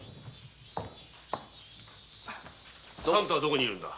三太はどこにいるんだ？